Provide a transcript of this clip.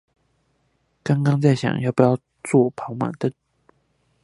剛剛在想要不要做跑馬燈